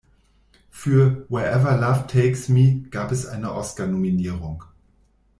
Für "Wherever Love Takes Me" gab es eine Oscarnominierung.